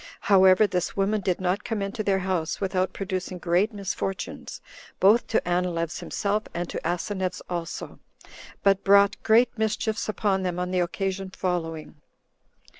However, this woman did not come into their house without producing great misfortunes, both to Anileus himself, and to Asineus also; but brought great mischiefs upon them on the occasion following.